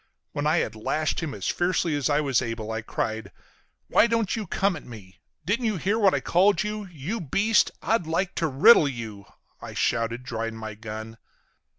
When I had lashed him as fiercely as I was able I cried: "Why don't you come at me? Didn't you hear what I called you? You beast! I'd like to riddle you!" I shouted, drawing my gun.